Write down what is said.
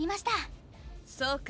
そうか。